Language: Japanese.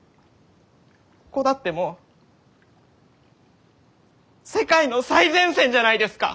ここだってもう世界の最前線じゃないですか！